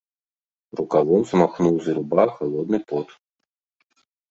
Рукавом змахнуў з ілба халодны пот.